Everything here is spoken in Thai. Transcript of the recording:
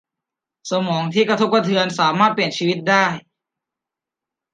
สมองที่กระทบกระเทือนสามารถเปลี่ยนชีวิตได้